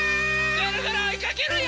ぐるぐるおいかけるよ！